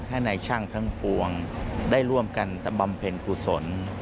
ให้นายช่างทั้งปวงได้ร่วมกันบำเพ็ญกุศล